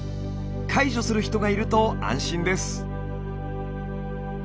介助する人がいると安心です。